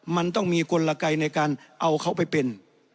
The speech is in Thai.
มันต้องมีกลไกในการเอาเขาไปเป็น